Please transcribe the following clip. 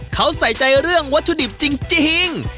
เขาใส่ใจเรื่องวัตถุดิบจริง